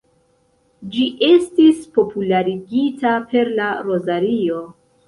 Ĝi estis popularigita per la rozario.